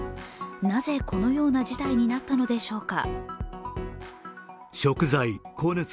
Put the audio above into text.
なぜこのような事態になったのでしょうか。